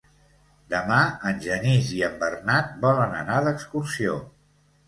Demà en Genís i en Bernat volen anar d'excursió.